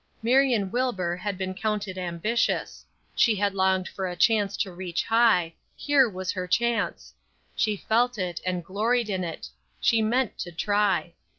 Marion Wilbur had been counted ambitious; she had longed for a chance to reach high; here was her chance; she felt it, and gloried in it; she meant to try.